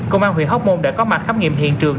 công an huyện hóc môn đã có mặt khám nghiệm hiện trường